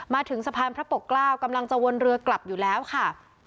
มาถึงสะพานพระปกเกล้ากำลังจะวนเรือกลับอยู่แล้วค่ะ